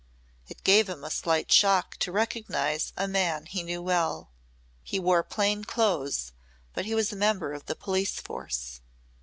It gave him a slight shock to recognise a man he knew well. He wore plain clothes, but he was a member of the police force.